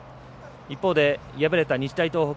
一方で、敗れた日大東北。